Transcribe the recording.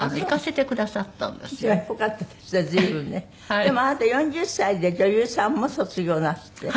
でもあなた４０歳で女優さんも卒業なすって？